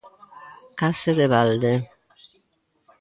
Case de balde.